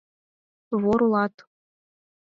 Вор улат.